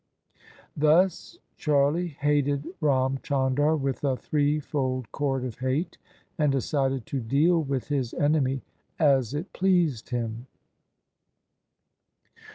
Thus Charlie hated Ram Chandar with a three fold cord of hate, and decided to deal with his enemy as it pleased him.